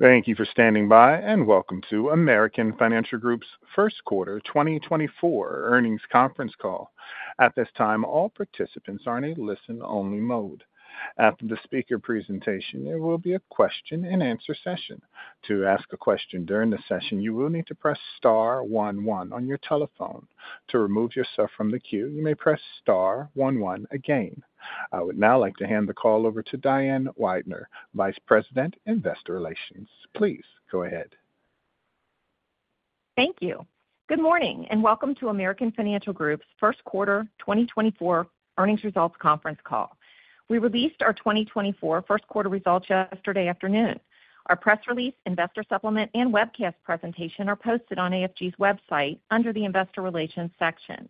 Thank you for standing by, and welcome to American Financial Group's First Quarter 2024 Earnings Conference Call. At this time, all participants are in a listen-only mode. After the speaker presentation, there will be a question-and-answer session. To ask a question during the session, you will need to press star one one on your telephone. To remove yourself from the queue, you may press star one one again. I would now like to hand the call over to Diane Weidner, Vice President, Investor Relations. Please go ahead. Thank you. Good morning, and welcome to American Financial Group's first quarter 2024 earnings results conference call. We released our 2024 first quarter results yesterday afternoon. Our press release, investor supplement, and webcast presentation are posted on AFG's website under the Investor Relations section.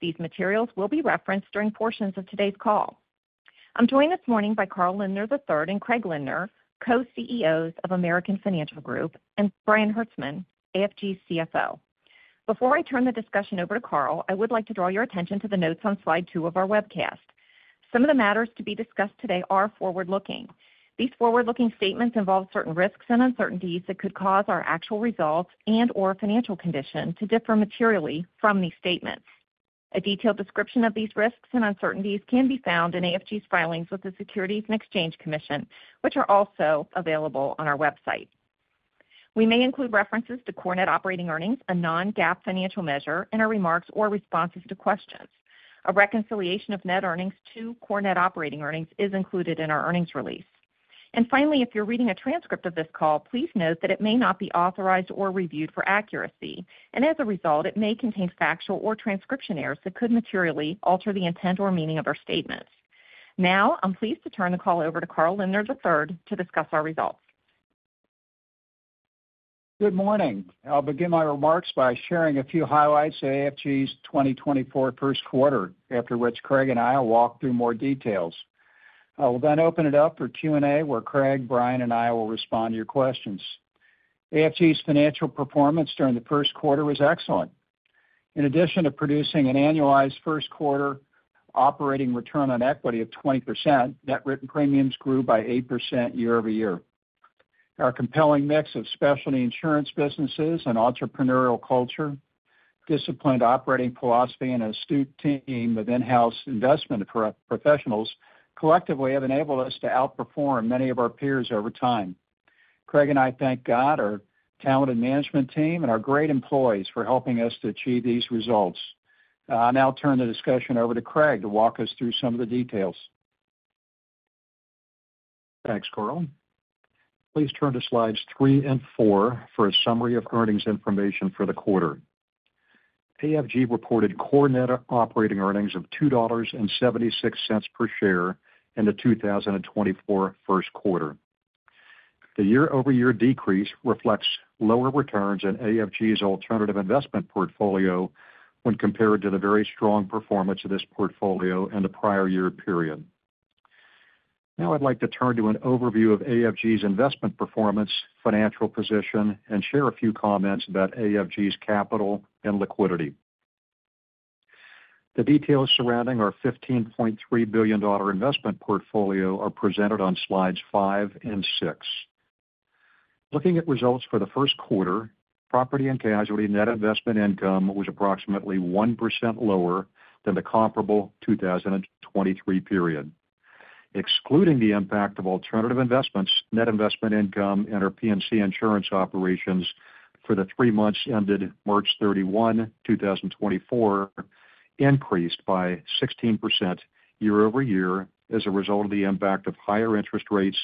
These materials will be referenced during portions of today's call. I'm joined this morning by Carl Lindner III and Craig Lindner, co-CEOs of American Financial Group, and Brian Hertzman, AFG's CFO. Before I turn the discussion over to Carl, I would like to draw your attention to the notes on slide two of our webcast. Some of the matters to be discussed today are forward-looking. These forward-looking statements involve certain risks and uncertainties that could cause our actual results and/or financial condition to differ materially from these statements. A detailed description of these risks and uncertainties can be found in AFG's filings with the Securities and Exchange Commission, which are also available on our website. We may include references to Core Net Operating Earnings, a non-GAAP financial measure, and our remarks or responses to questions. A reconciliation of net earnings to Core Net Operating Earnings is included in our earnings release. Finally, if you're reading a transcript of this call, please note that it may not be authorized or reviewed for accuracy, and as a result, it may contain factual or transcription errors that could materially alter the intent or meaning of our statements. Now, I'm pleased to turn the call over to Carl Lindner III to discuss our results. Good morning. I'll begin my remarks by sharing a few highlights of AFG's 2024 first quarter, after which Craig and I will walk through more details. I will then open it up for Q&A, where Craig, Brian, and I will respond to your questions. AFG's financial performance during the first quarter was excellent. In addition to producing an annualized first quarter operating return on equity of 20%, net written premiums grew by 8% year-over-year. Our compelling mix of specialty insurance businesses and entrepreneurial culture, disciplined operating philosophy, and an astute team of in-house investment professionals collectively have enabled us to outperform many of our peers over time. Craig and I thank God, our talented management team, and our great employees for helping us to achieve these results. I'll now turn the discussion over to Craig to walk us through some of the details. Thanks, Carl. Please turn to slides three and four for a summary of earnings information for the quarter. AFG reported Core Net Operating Earnings of $2.76 per share in the 2024 first quarter. The year-over-year decrease reflects lower returns in AFG's alternative investment portfolio when compared to the very strong performance of this portfolio in the prior year period. Now I'd like to turn to an overview of AFG's investment performance, financial position, and share a few comments about AFG's capital and liquidity. The details surrounding our $15.3 billion investment portfolio are presented on slides five and six. Looking at results for the first quarter, property and casualty net investment income was approximately 1% lower than the comparable 2023 period. Excluding the impact of alternative investments, net investment income in our P&C insurance operations for the three months ended March 31, 2024, increased by 16% year-over-year as a result of the impact of higher interest rates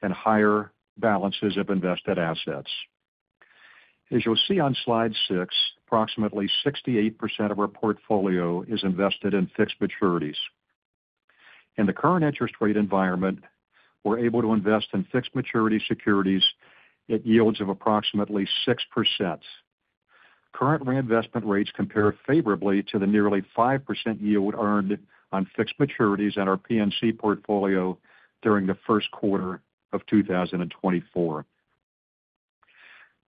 and higher balances of invested assets. As you'll see on slide 6, approximately 68% of our portfolio is invested in fixed maturities. In the current interest rate environment, we're able to invest in fixed maturity securities at yields of approximately 6%. Current reinvestment rates compare favorably to the nearly 5% yield earned on fixed maturities in our P&C portfolio during the first quarter of 2024.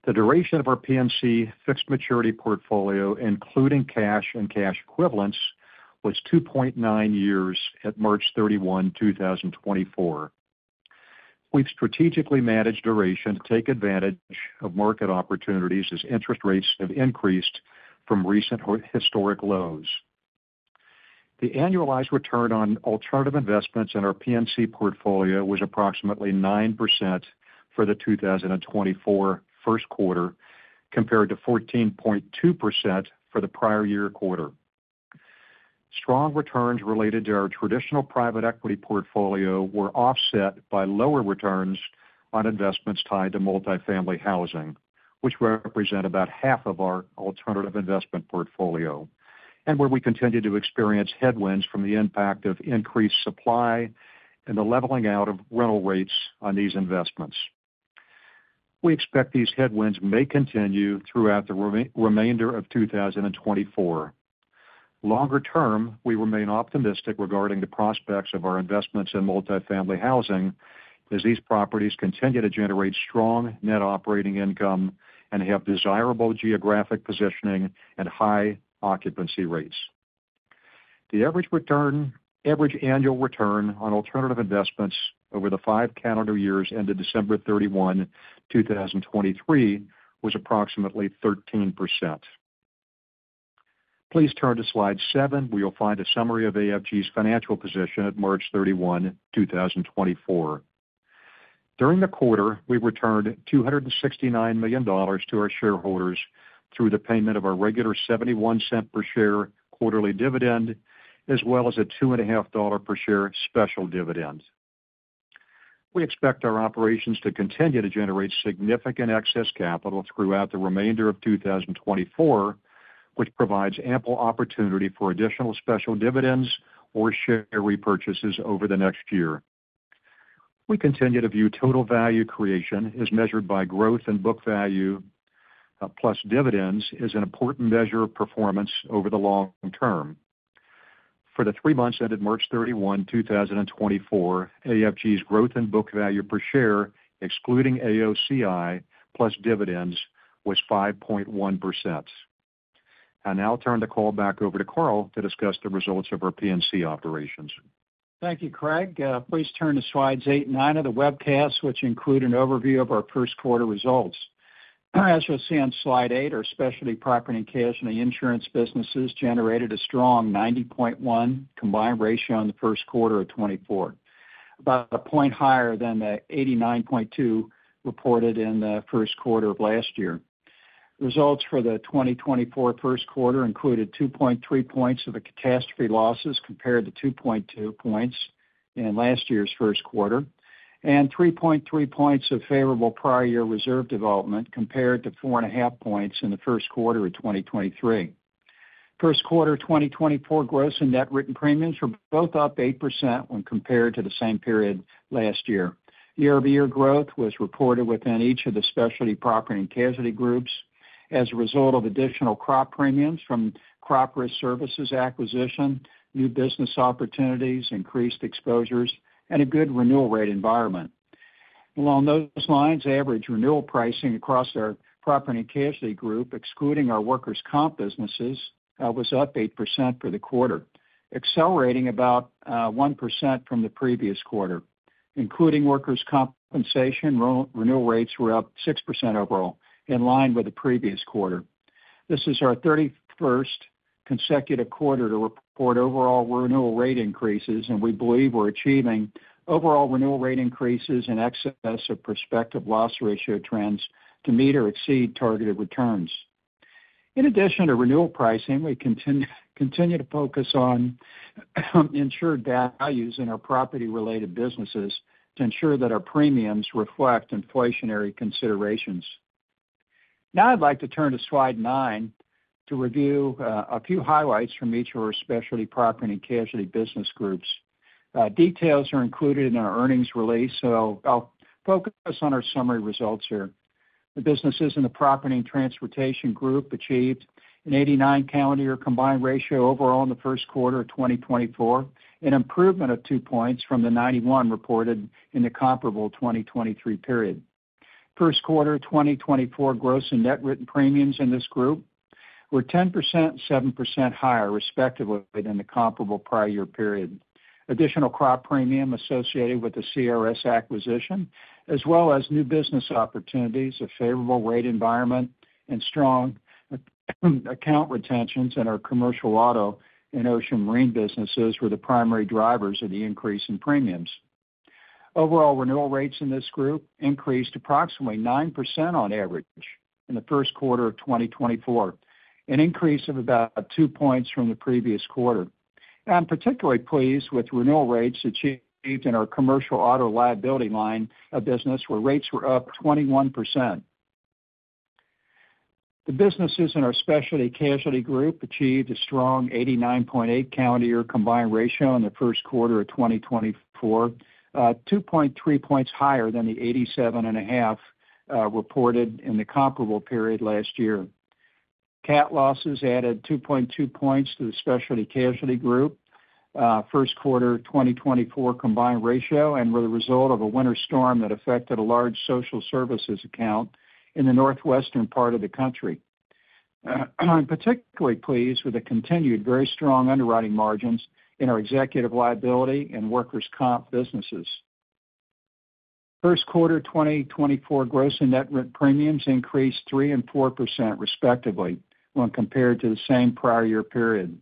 The duration of our P&C fixed maturity portfolio, including cash and cash equivalents, was 2.9 years at March 31, 2024. We've strategically managed duration to take advantage of market opportunities as interest rates have increased from recent historic lows. The annualized return on alternative investments in our P&C portfolio was approximately 9% for the 2024 first quarter, compared to 14.2% for the prior year quarter. Strong returns related to our traditional private equity portfolio were offset by lower returns on investments tied to multifamily housing, which represent about half of our alternative investment portfolio, and where we continue to experience headwinds from the impact of increased supply and the leveling out of rental rates on these investments. We expect these headwinds may continue throughout the remainder of 2024. Longer term, we remain optimistic regarding the prospects of our investments in multifamily housing as these properties continue to generate strong net operating income and have desirable geographic positioning and high occupancy rates. The average annual return on alternative investments over the five calendar years ended December 31, 2023, was approximately 13%. Please turn to slide seven. We will find a summary of AFG's financial position at March 31, 2024. During the quarter, we returned $269 million to our shareholders through the payment of our regular $0.71 per share quarterly dividend, as well as a $2.50 per share special dividend. We expect our operations to continue to generate significant excess capital throughout the remainder of 2024, which provides ample opportunity for additional special dividends or share repurchases over the next year. We continue to view total value creation as measured by growth in book value plus dividends as an important measure of performance over the long term. For the three months ended March 31, 2024, AFG's growth in book value per share, excluding AOCI plus dividends, was 5.1%. I'll now turn the call back over to Carl to discuss the results of our P&C operations. Thank you, Craig. Please turn to slides 8 and 9 of the webcast, which include an overview of our first quarter results. As you'll see on slide 8, our specialty property and casualty insurance businesses generated a strong 90.1 combined ratio in the first quarter of 2024, about a point higher than the 89.2 reported in the first quarter of last year. Results for the 2024 first quarter included 2.3 points of catastrophe losses compared to 2.2 points in last year's first quarter, and 3.3 points of favorable prior year reserve development compared to 4.5 points in the first quarter of 2023. First quarter 2024 gross and net written premiums were both up 8% when compared to the same period last year. Year-over-year growth was reported within each of the specialty property and casualty groups as a result of additional crop premiums from Crop Risk Services acquisition, new business opportunities, increased exposures, and a good renewal rate environment. Along those lines, average renewal pricing across our property and casualty group, excluding our workers' comp businesses, was up 8% for the quarter, accelerating about 1% from the previous quarter. Including workers' compensation, renewal rates were up 6% overall, in line with the previous quarter. This is our 31st consecutive quarter to report overall renewal rate increases, and we believe we're achieving overall renewal rate increases and excess of prospective loss ratio trends to meet or exceed targeted returns. In addition to renewal pricing, we continue to focus on insured values in our property-related businesses to ensure that our premiums reflect inflationary considerations. Now I'd like to turn to slide 9 to review a few highlights from each of our specialty property and casualty business groups. Details are included in our earnings release, so I'll focus on our summary results here. The businesses in the Property and Transportation Group achieved an 89 calendar year combined ratio overall in the first quarter of 2024, an improvement of 2 points from the 91 reported in the comparable 2023 period. First quarter 2024 gross and net written premiums in this group were 10% and 7% higher, respectively, than the comparable prior year period. Additional crop premium associated with the CRS acquisition, as well as new business opportunities, a favorable rate environment, and strong account retentions in our commercial auto and ocean marine businesses were the primary drivers of the increase in premiums. Overall renewal rates in this group increased approximately 9% on average in the first quarter of 2024, an increase of about two points from the previous quarter. I'm particularly pleased with renewal rates achieved in our commercial auto liability line of business, where rates were up 21%. The businesses in our Specialty Casualty Group achieved a strong 89.8 calendar year combined ratio in the first quarter of 2024, 2.3 points higher than the 87.5 reported in the comparable period last year. CAT losses added 2.2 points to the Specialty Casualty Group first quarter 2024 combined ratio and were the result of a winter storm that affected a large social services account in the northwestern part of the country. I'm particularly pleased with the continued very strong underwriting margins in our executive liability and workers' comp businesses. First quarter 2024 gross and net written premiums increased 3% and 4%, respectively, when compared to the same prior year period.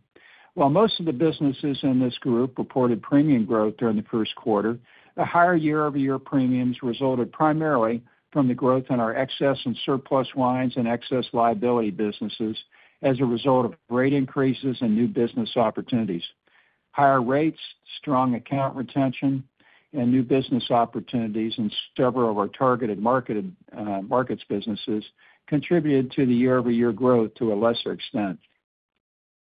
While most of the businesses in this group reported premium growth during the first quarter, the higher year-over-year premiums resulted primarily from the growth in our excess and surplus lines and excess liability businesses as a result of rate increases and new business opportunities. Higher rates, strong account retention, and new business opportunities in several of our targeted markets businesses contributed to the year-over-year growth to a lesser extent.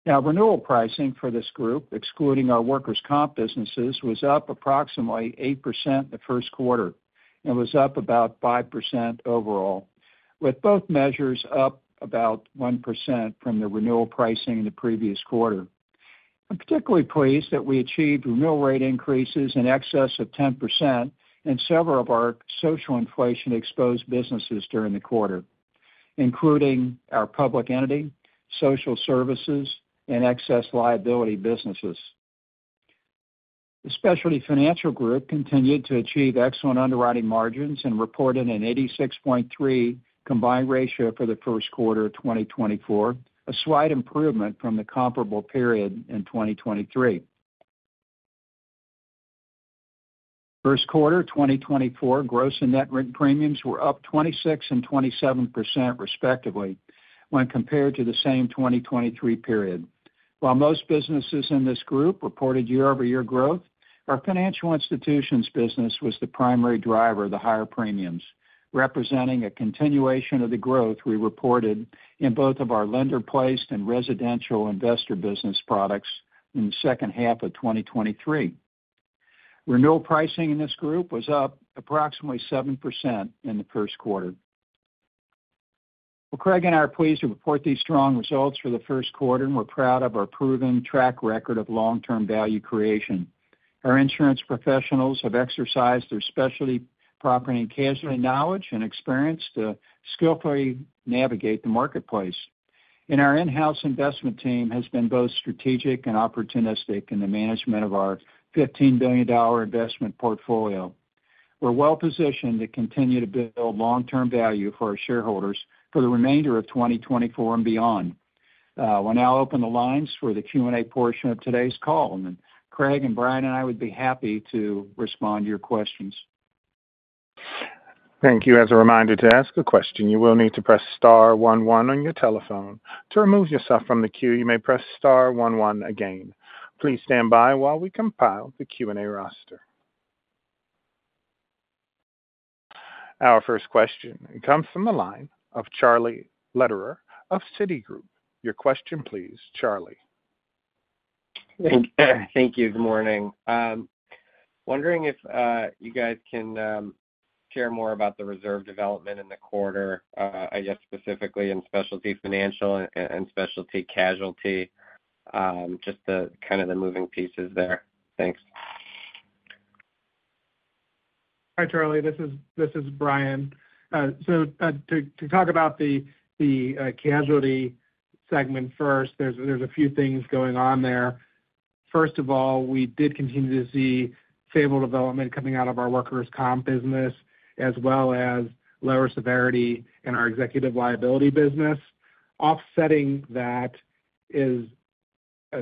Now, renewal pricing for this group, excluding our workers' comp businesses, was up approximately 8% in the first quarter and was up about 5% overall, with both measures up about 1% from the renewal pricing in the previous quarter. I'm particularly pleased that we achieved renewal rate increases in excess of 10% in several of our social inflation-exposed businesses during the quarter, including our public entity, social services, and excess liability businesses. The Specialty Financial Group continued to achieve excellent underwriting margins and reported an 86.3 combined ratio for the first quarter of 2024, a slight improvement from the comparable period in 2023. First quarter 2024 gross and net written premiums were up 26% and 27%, respectively, when compared to the same 2023 period. While most businesses in this group reported year-over-year growth, our financial institutions business was the primary driver of the higher premiums, representing a continuation of the growth we reported in both of our lender-placed and residential investor business products in the second half of 2023. Renewal pricing in this group was up approximately 7% in the first quarter. Well, Craig and I are pleased to report these strong results for the first quarter and we're proud of our proven track record of long-term value creation. Our insurance professionals have exercised their specialty property and casualty knowledge and experience to skillfully navigate the marketplace. Our in-house investment team has been both strategic and opportunistic in the management of our $15 billion investment portfolio. We're well positioned to continue to build long-term value for our shareholders for the remainder of 2024 and beyond. We'll now open the lines for the Q&A portion of today's call, and Craig and Brian and I would be happy to respond to your questions. Thank you. As a reminder to ask a question, you will need to press star one one on your telephone. To remove yourself from the queue, you may press star one one again. Please stand by while we compile the Q&A roster. Our first question comes from the line of Charlie Lederer of Citigroup. Your question, please, Charlie. Thank you. Good morning. Wondering if you guys can share more about the reserve development in the quarter, I guess specifically in specialty financial and specialty casualty, just kind of the moving pieces there. Thanks. Hi, Charlie. This is Brian. So to talk about the casualty segment first, there's a few things going on there. First of all, we did continue to see favorable development coming out of our workers' comp business, as well as lower severity in our executive liability business. Offsetting that is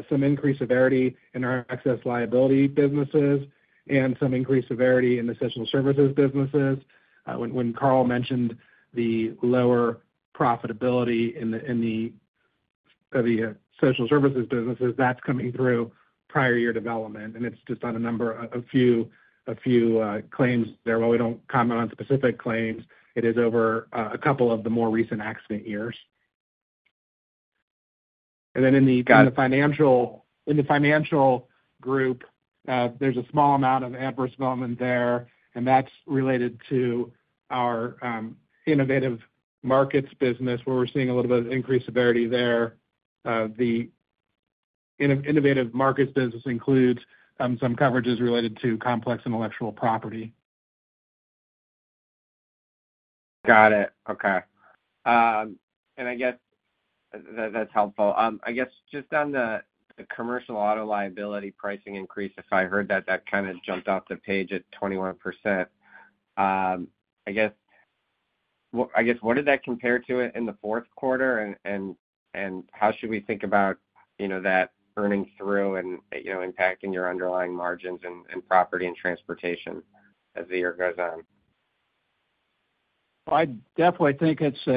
some increased severity in our excess liability businesses and some increased severity in the social services businesses. When Carl mentioned the lower profitability in the social services businesses, that's coming through prior year development, and it's just on a number of few claims there. While we don't comment on specific claims, it is over a couple of the more recent accident years. And then in the financial group, there's a small amount of adverse development there, and that's related to our Innovative Markets business, where we're seeing a little bit of increased severity there. The Innovative Markets business includes some coverages related to complex intellectual property. Got it. Okay. And I guess that's helpful. I guess just on the commercial auto liability pricing increase, if I heard that, that kind of jumped off the page at 21%. I guess what did that compare to in the fourth quarter, and how should we think about that earning through and impacting your underlying margins in property and transportation as the year goes on? Well, I definitely think it's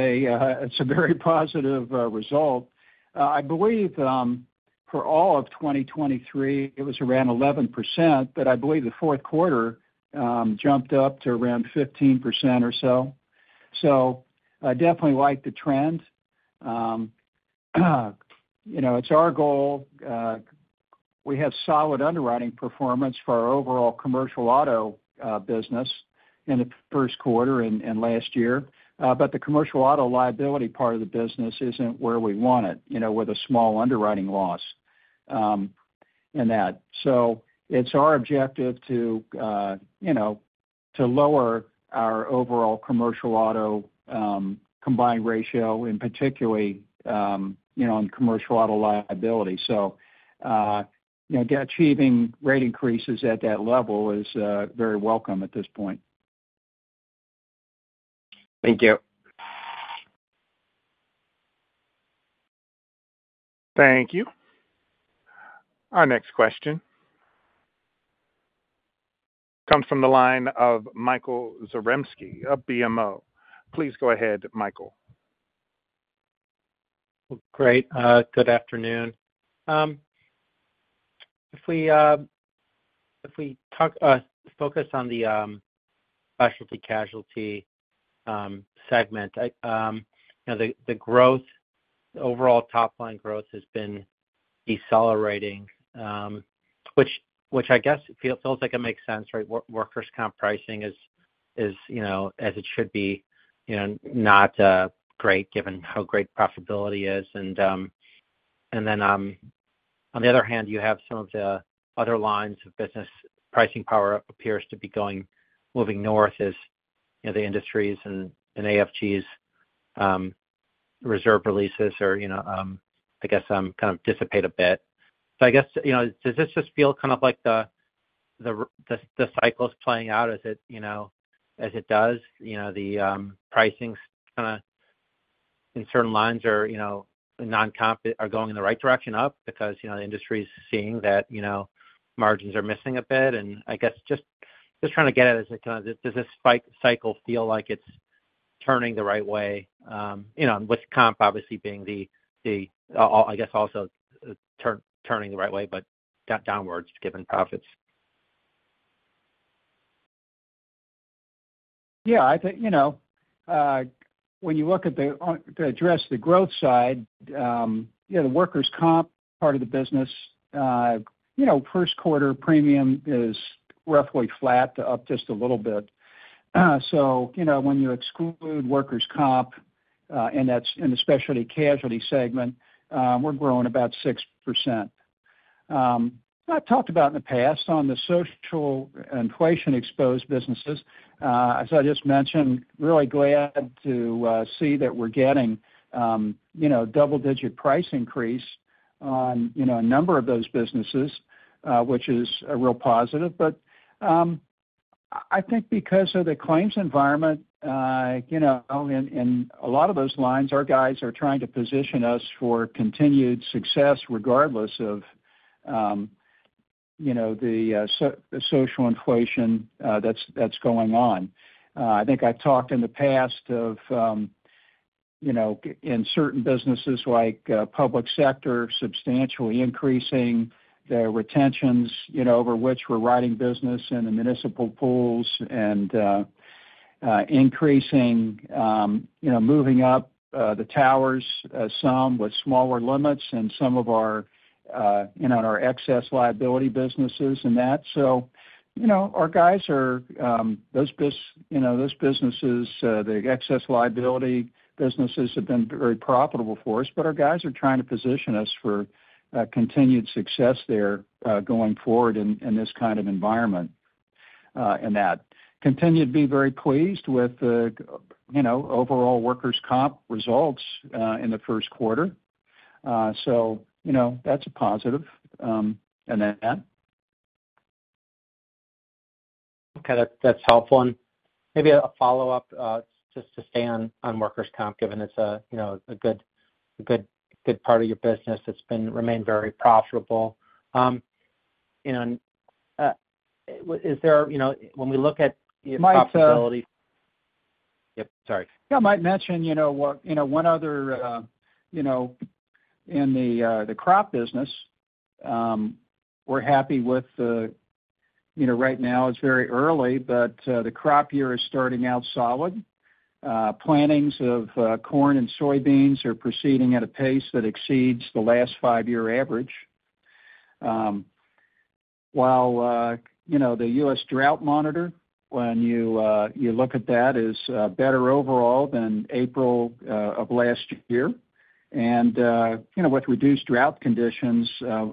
a very positive result. I believe for all of 2023, it was around 11%, but I believe the fourth quarter jumped up to around 15% or so. So I definitely like the trend. It's our goal. We have solid underwriting performance for our overall commercial auto business in the first quarter and last year, but the commercial auto liability part of the business isn't where we want it, with a small underwriting loss in that. So it's our objective to lower our overall commercial auto combined ratio, in particular on commercial auto liability. So achieving rate increases at that level is very welcome at this point. Thank you. Thank you. Our next question comes from the line of Michael Zaremski of BMO. Please go ahead, Michael. Great. Good afternoon. If we focus on the specialty casualty segment, the growth, the overall top-line growth has been decelerating, which I guess feels like it makes sense, right? Workers' comp pricing, as it should be, not great given how great profitability is. And then on the other hand, you have some of the other lines of business. Pricing power appears to be moving north as the industry's and AFG's reserve releases, or I guess kind of dissipate a bit. So I guess does this just feel kind of like the cycle's playing out as it does? The pricing kind of in certain lines are non-comp are going in the right direction up because the industry is seeing that margins are missing a bit. And I guess just trying to get at it as a kind of, does this cycle feel like it's turning the right way, with comp obviously being the, I guess, also turning the right way, but downwards given profits? Yeah. I think when you look at the addressable growth side, the workers' comp part of the business, first quarter premium is roughly flat to up just a little bit. So when you exclude workers' comp in the specialty casualty segment, we're growing about 6%. I've talked about in the past on the social inflation-exposed businesses, as I just mentioned, really glad to see that we're getting double-digit price increase on a number of those businesses, which is a real positive. But I think because of the claims environment, in a lot of those lines, our guys are trying to position us for continued success regardless of the social inflation that's going on. I think I've talked in the past of in certain businesses like public sector, substantially increasing their retentions over which we're writing business in the municipal pools and increasing, moving up the towers some with smaller limits and some of our excess liability businesses and that. So our guys in those businesses, the excess liability businesses, have been very profitable for us, but our guys are trying to position us for continued success there going forward in this kind of environment and that. We continue to be very pleased with the overall workers' comp results in the first quarter. So that's a positive and that. Okay. That's helpful. Maybe a follow-up just to stay on workers' comp, given it's a good part of your business that's remained very profitable. Is there, when we look at your profitability? Yep, sorry. Yeah. I might mention one other in the crop business, we're happy with right now. It's very early, but the crop year is starting out solid. Plantings of corn and soybeans are proceeding at a pace that exceeds the last five-year average. While the U.S. Drought Monitor, when you look at that, is better overall than April of last year. With reduced drought conditions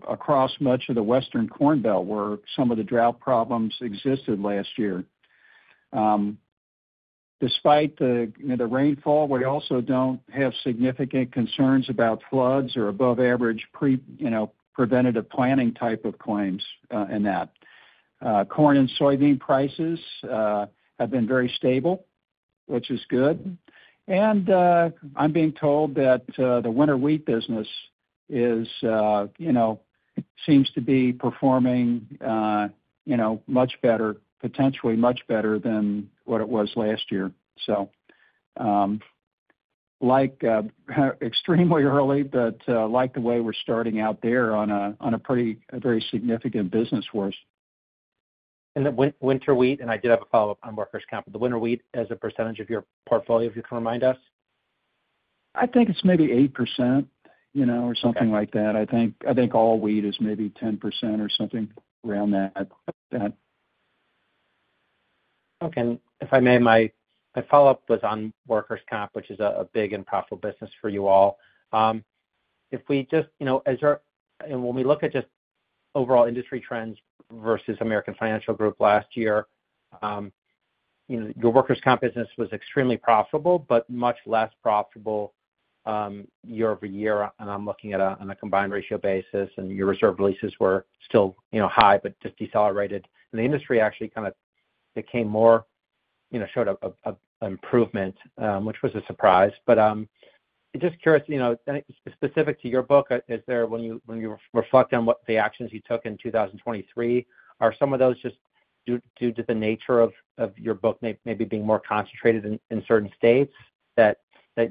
across much of the western Corn Belt where some of the drought problems existed last year. Despite the rainfall, we also don't have significant concerns about floods or above-average preventative planting type of claims and that. Corn and soybean prices have been very stable, which is good. I'm being told that the winter wheat business seems to be performing much better, potentially much better than what it was last year. Extremely early, but like the way we're starting out there on a very significant business force. The winter wheat and I did have a follow-up on workers' comp. The winter wheat as a percentage of your portfolio, if you can remind us? I think it's maybe 8% or something like that. I think all wheat is maybe 10% or something around that. Okay. And if I may, my follow-up was on workers' comp, which is a big and profitable business for you all. If we just and when we look at just overall industry trends versus American Financial Group last year, your workers' comp business was extremely profitable, but much less profitable year-over-year. And I'm looking at a combined ratio basis, and your reserve releases were still high, but just decelerated. And the industry actually kind of became more, showed an improvement, which was a surprise. But just curious, specific to your book, is there, when you reflect on what the actions you took in 2023, are some of those just due to the nature of your book maybe being more concentrated in certain states that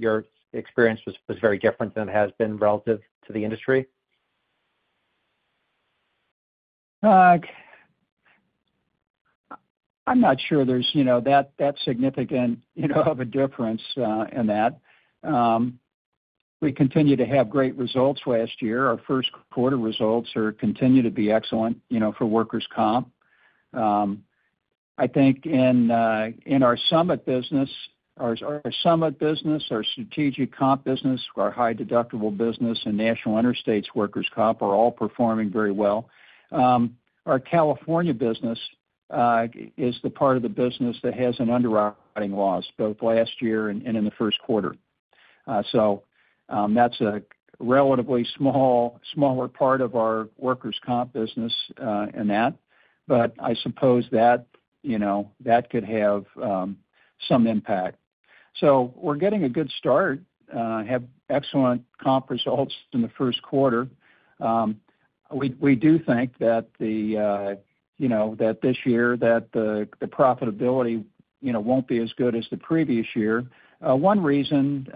your experience was very different than it has been relative to the industry? I'm not sure there's that significant of a difference in that. We continue to have great results last year. Our first quarter results continue to be excellent for workers' comp. I think in our Summit business, our Strategic Comp business, our high-deductible business, and National Interstate's workers' comp are all performing very well. Our California business is the part of the business that has an underwriting loss, both last year and in the first quarter. So that's a relatively smaller part of our workers' comp business in that. But I suppose that could have some impact. So we're getting a good start, have excellent comp results in the first quarter. We do think that this year, that the profitability won't be as good as the previous year. One reason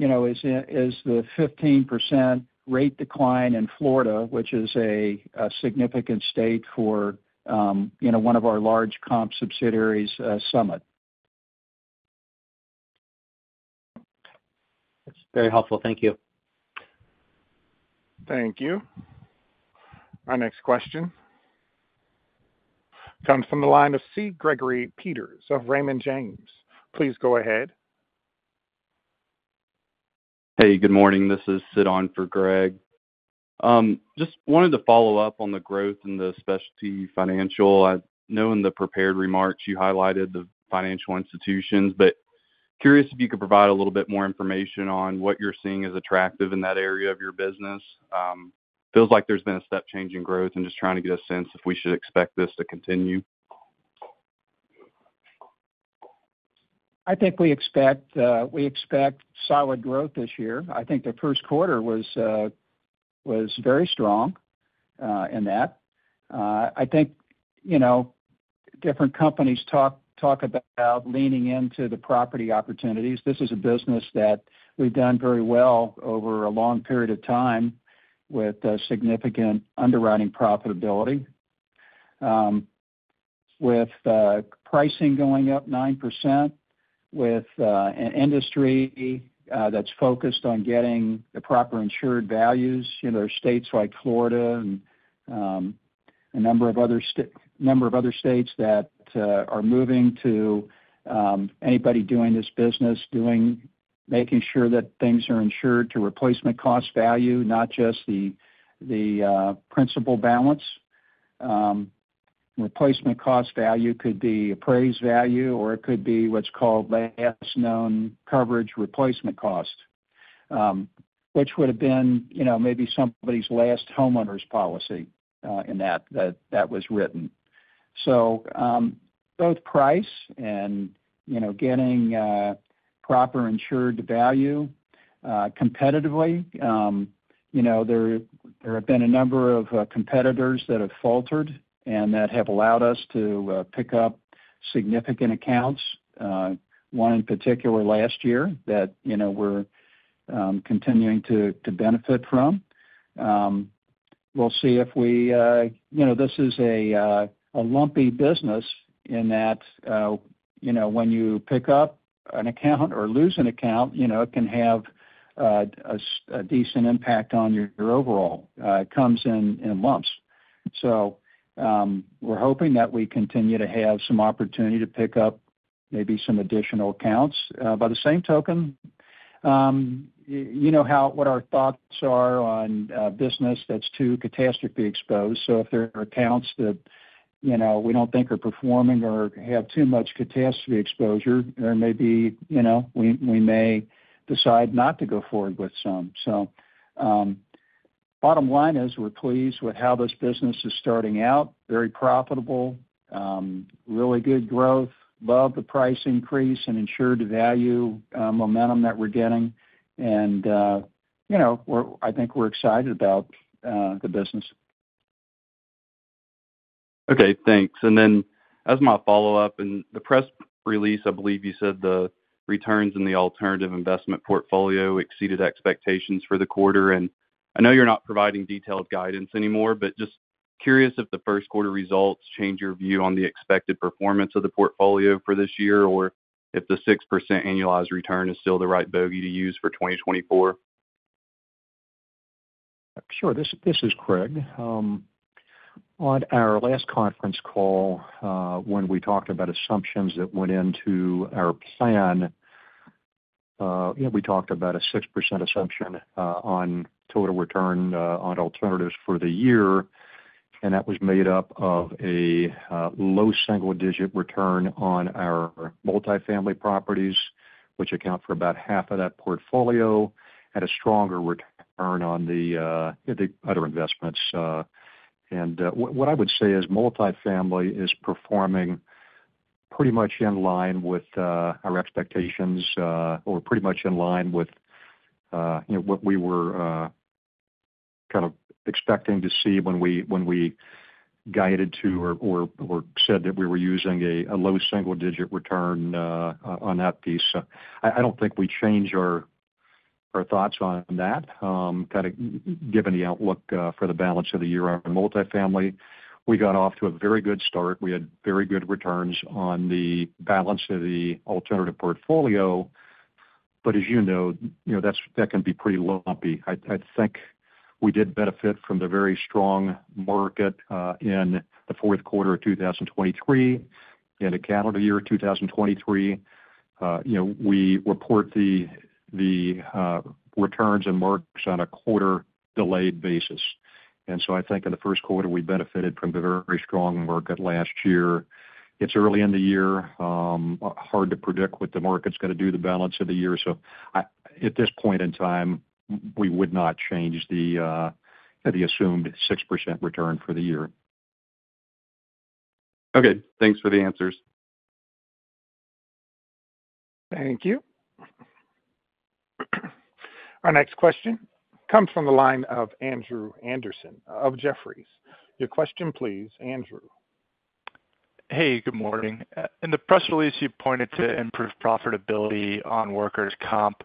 is the 15% rate decline in Florida, which is a significant state for one of our large comp subsidiaries' Summit. That's very helpful. Thank you. Thank you. Our next question comes from the line of C. Gregory Peters of Raymond James. Please go ahead. Hey. Good morning. This is Sid Ahn for Greg. Just wanted to follow up on the growth in the specialty financial. I know in the prepared remarks, you highlighted the financial institutions, but curious if you could provide a little bit more information on what you're seeing as attractive in that area of your business. Feels like there's been a step-changing growth and just trying to get a sense if we should expect this to continue. I think we expect solid growth this year. I think the first quarter was very strong in that. I think different companies talk about leaning into the property opportunities. This is a business that we've done very well over a long period of time with significant underwriting profitability, with pricing going up 9%, with an industry that's focused on getting the proper insured values. There are states like Florida and a number of other states that are moving to anybody doing this business, making sure that things are insured to replacement cost value, not just the principal balance. Replacement cost value could be appraised value, or it could be what's called last known coverage replacement cost, which would have been maybe somebody's last homeowner's policy in that that was written. So both price and getting proper insured to value competitively, there have been a number of competitors that have faltered and that have allowed us to pick up significant accounts, one in particular last year that we're continuing to benefit from. We'll see, this is a lumpy business in that when you pick up an account or lose an account, it can have a decent impact on your overall. It comes in lumps. So we're hoping that we continue to have some opportunity to pick up maybe some additional accounts. By the same token, what our thoughts are on business that's too catastrophe-exposed. So if there are accounts that we don't think are performing or have too much catastrophe exposure, there may be—we may decide not to go forward with some. Bottom line is we're pleased with how this business is starting out, very profitable, really good growth, love the price increase and insured-to-value momentum that we're getting. I think we're excited about the business. Okay. Thanks. And then as my follow-up, in the press release, I believe you said the returns in the alternative investment portfolio exceeded expectations for the quarter. And I know you're not providing detailed guidance anymore, but just curious if the first quarter results change your view on the expected performance of the portfolio for this year or if the 6% annualized return is still the right bogey to use for 2024. Sure. This is Craig. On our last conference call, when we talked about assumptions that went into our plan, we talked about a 6% assumption on total return on alternatives for the year. And that was made up of a low single-digit return on our multifamily properties, which account for about half of that portfolio, and a stronger return on the other investments. And what I would say is multifamily is performing pretty much in line with our expectations or pretty much in line with what we were kind of expecting to see when we guided to or said that we were using a low single-digit return on that piece. I don't think we changed our thoughts on that, kind of given the outlook for the balance of the year on multifamily. We got off to a very good start. We had very good returns on the balance of the alternative portfolio. But as you know, that can be pretty lumpy. I think we did benefit from the very strong market in the fourth quarter of 2023 and the calendar year of 2023. We report the returns and marks on a quarter-delayed basis. And so I think in the first quarter, we benefited from the very strong market last year. It's early in the year, hard to predict what the market's going to do the balance of the year. So at this point in time, we would not change the assumed 6% return for the year. Okay. Thanks for the answers. Thank you. Our next question comes from the line of Andrew Andersen of Jefferies. Your question, please, Andrew. Hey. Good morning. In the press release, you pointed to improved profitability on workers' comp.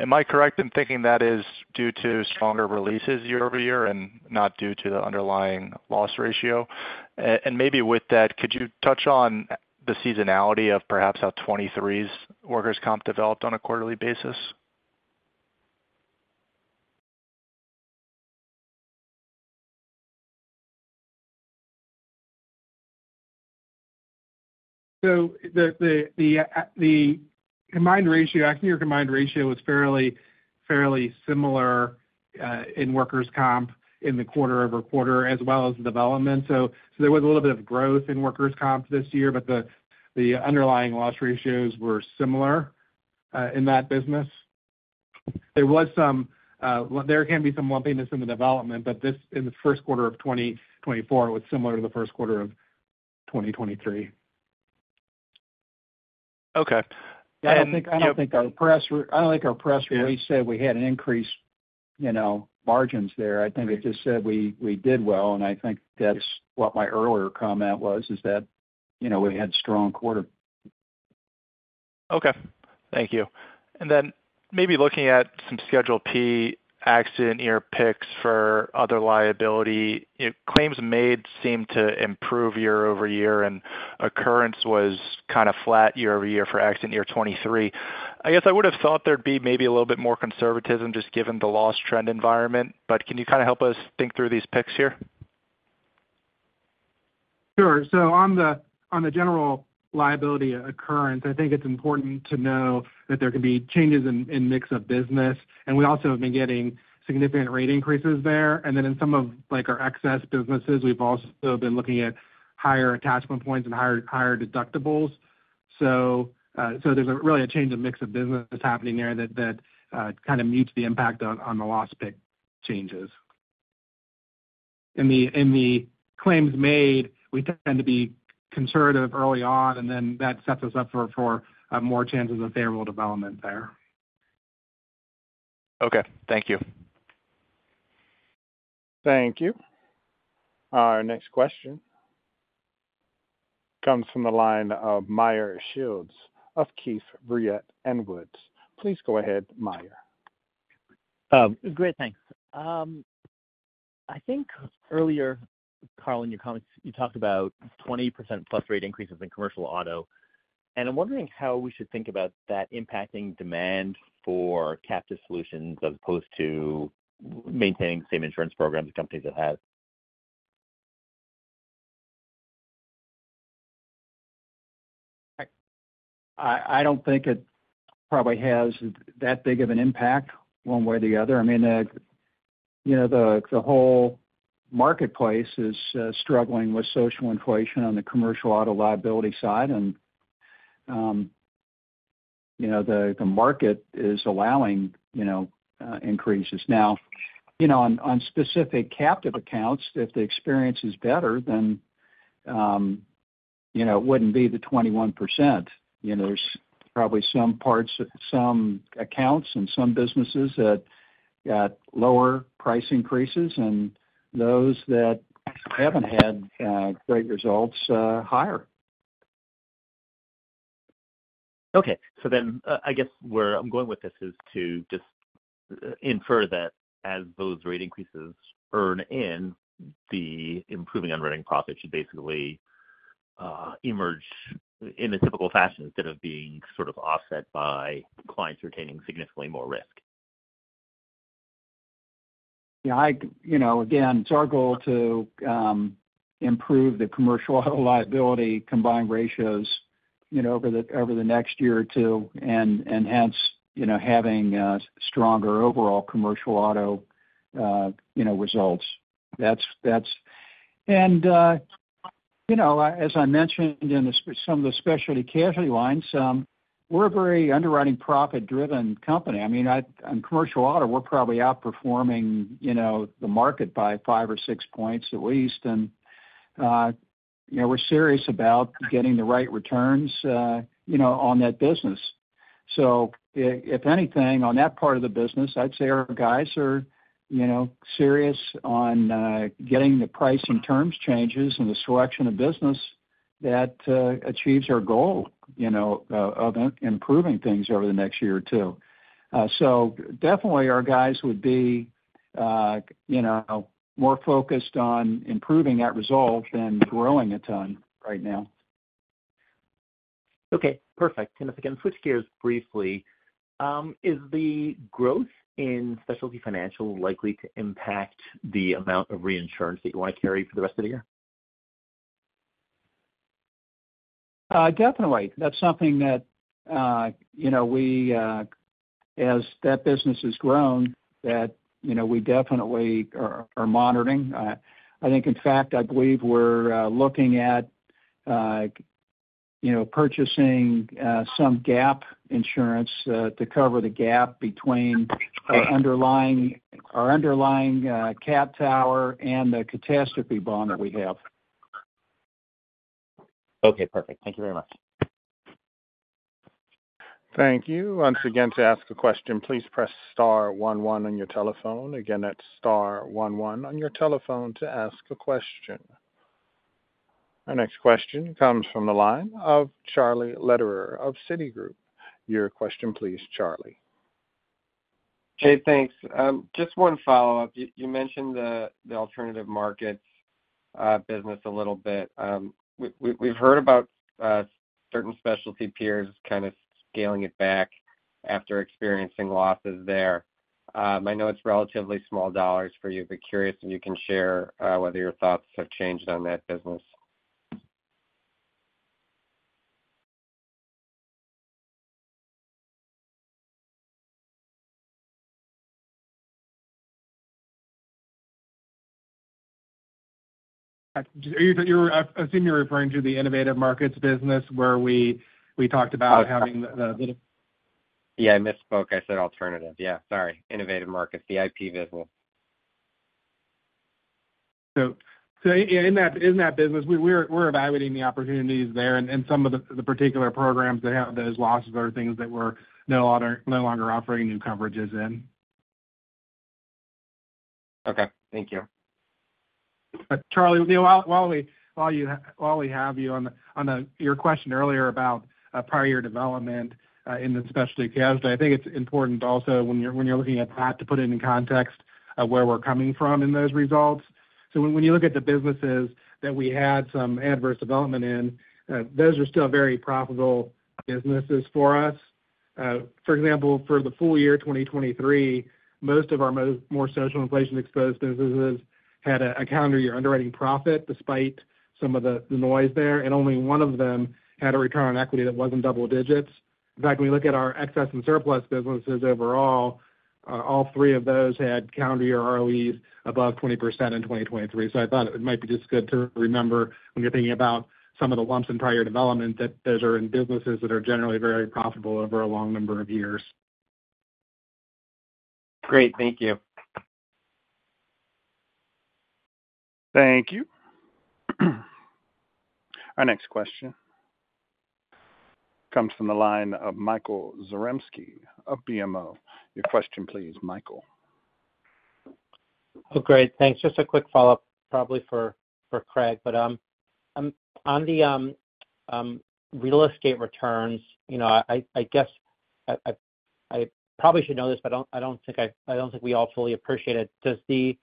Am I correct in thinking that is due to stronger releases year-over-year and not due to the underlying loss ratio? And maybe with that, could you touch on the seasonality of perhaps how 2023's workers' comp developed on a quarterly basis? So the combined ratio, I think your combined ratio was fairly similar in workers' comp in the quarter-over-quarter as well as the development. So there was a little bit of growth in workers' comp this year, but the underlying loss ratios were similar in that business. There can be some lumpiness in the development, but in the first quarter of 2024, it was similar to the first quarter of 2023. Okay. I don't think our press release said we had an increased margins there. I think it just said we did well. I think that's what my earlier comment was, is that we had a strong quarter. Okay. Thank you. And then maybe looking at some Schedule P accident year picks for other liability, claims made seem to improve year-over-year, and occurrence was kind of flat year-over-year for accident year 2023. I guess I would have thought there'd be maybe a little bit more conservatism just given the loss trend environment. But can you kind of help us think through these picks here? Sure. On the general liability occurrence, I think it's important to know that there can be changes in mix of business. We also have been getting significant rate increases there. Then in some of our excess businesses, we've also been looking at higher attachment points and higher deductibles. There's really a change in mix of business happening there that kind of mutes the impact on the loss pick changes. In the claims made, we tend to be conservative early on, and then that sets us up for more chances of favorable development there. Okay. Thank you. Thank you. Our next question comes from the line of Meyer Shields of Keefe, Bruyette & Woods. Please go ahead, Meyer. Great. Thanks. I think earlier, Carl, in your comments, you talked about 20%+ rate increases in commercial auto. And I'm wondering how we should think about that impacting demand for captive solutions as opposed to maintaining the same insurance programs that companies have had? I don't think it probably has that big of an impact one way or the other. I mean, the whole marketplace is struggling with social inflation on the commercial auto liability side, and the market is allowing increases. Now, on specific captive accounts, if the experience is better, then it wouldn't be the 21%. There's probably some accounts and some businesses that got lower price increases and those that haven't had great results higher. Okay. So then I guess where I'm going with this is to just infer that as those rate increases earn in, the improving underwriting profit should basically emerge in a typical fashion instead of being sort of offset by clients retaining significantly more risk. Yeah. Again, it's our goal to improve the commercial auto liability combined ratios over the next year or two and hence having stronger overall commercial auto results. And as I mentioned in some of the specialty casualty lines, we're a very underwriting profit-driven company. I mean, in commercial auto, we're probably outperforming the market by 5 or 6 points at least. And we're serious about getting the right returns on that business. So if anything, on that part of the business, I'd say our guys are serious on getting the price and terms changes and the selection of business that achieves our goal of improving things over the next year or two. So definitely, our guys would be more focused on improving that result than growing a ton right now. Okay. Perfect. If I can switch gears briefly, is the growth in specialty financial likely to impact the amount of reinsurance that you want to carry for the rest of the year? Definitely. That's something that we, as that business has grown, that we definitely are monitoring. I think, in fact, I believe we're looking at purchasing some gap insurance to cover the gap between our underlying CAT tower and the catastrophe bond that we have. Okay. Perfect. Thank you very much. Thank you. Once again, to ask a question, please press star one one on your telephone. Again, that's star one one on your telephone to ask a question. Our next question comes from the line of Charlie Lederer of Citigroup. Your question, please, Charlie. Hey. Thanks. Just one follow-up. You mentioned the alternative markets business a little bit. We've heard about certain specialty peers kind of scaling it back after experiencing losses there. I know it's relatively small dollars for you, but curious if you can share whether your thoughts have changed on that business. I assume you're referring to the Innovative Markets business where we talked about having the. Yeah. I misspoke. I said alternative. Yeah. Sorry. Innovative Markets, the IP business. In that business, we're evaluating the opportunities there. Some of the particular programs that have those losses are things that we're no longer offering new coverages in. Okay. Thank you. Charlie, while we have you on your question earlier about prior year development in the specialty casualty, I think it's important also when you're looking at that to put it in context of where we're coming from in those results. So when you look at the businesses that we had some adverse development in, those are still very profitable businesses for us. For example, for the full year 2023, most of our more social inflation-exposed businesses had a calendar year underwriting profit despite some of the noise there. And only one of them had a return on equity that wasn't double digits. In fact, when we look at our excess and surplus businesses overall, all three of those had calendar year ROEs above 20% in 2023. I thought it might be just good to remember when you're thinking about some of the lumps in prior year development that those are in businesses that are generally very profitable over a long number of years. Great. Thank you. Thank you. Our next question comes from the line of Michael Zaremski of BMO. Your question, please, Michael. Oh, great. Thanks. Just a quick follow-up probably for Craig, but on the real estate returns, I guess I probably should know this, but I don't think we all fully appreciate it.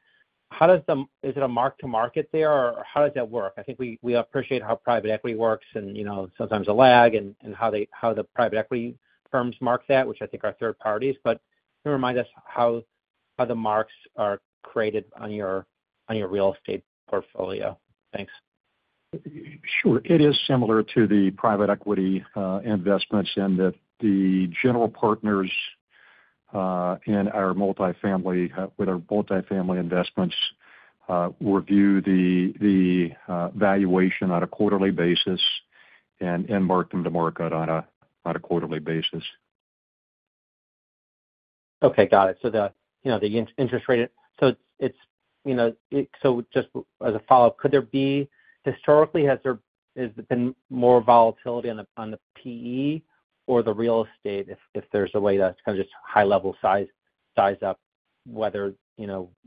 Is it a mark-to-market there, or how does that work? I think we appreciate how private equity works and sometimes a lag and how the private equity firms mark that, which I think are third parties. But can you remind us how the marks are created on your real estate portfolio? Thanks. Sure. It is similar to the private equity investments in that the general partners in our multifamily investments review the valuation on a quarterly basis and mark them to market on a quarterly basis. Okay. Got it. So the interest rate, so it's so just as a follow-up, could there be historically, has there been more volatility on the PE or the real estate if there's a way to kind of just high-level size up whether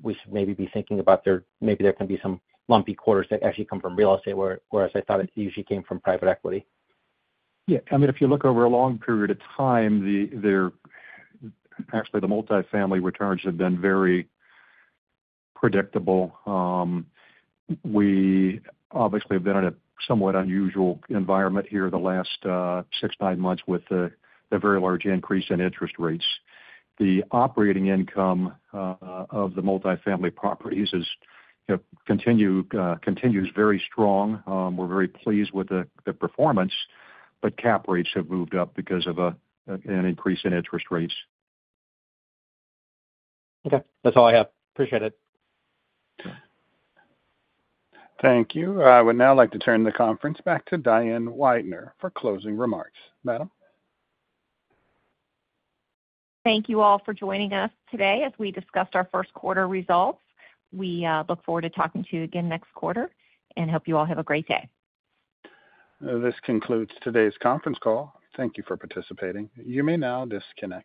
we should maybe be thinking about there maybe there can be some lumpy quarters that actually come from real estate, whereas I thought it usually came from private equity? Yeah. I mean, if you look over a long period of time, actually, the multifamily returns have been very predictable. We obviously have been in a somewhat unusual environment here the last 6-9 months with a very large increase in interest rates. The operating income of the multifamily properties continues very strong. We're very pleased with the performance, but cap rates have moved up because of an increase in interest rates. Okay. That's all I have. Appreciate it. Thank you. I would now like to turn the conference back to Diane Weidner for closing remarks. Madam? Thank you all for joining us today. As we discussed our first quarter results, we look forward to talking to you again next quarter and hope you all have a great day. This concludes today's conference call. Thank you for participating. You may now disconnect.